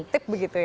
tertip begitu ya